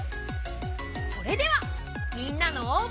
それではみんなの応募。